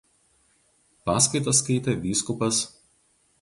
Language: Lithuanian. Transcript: Paskaitą skaitė vysk.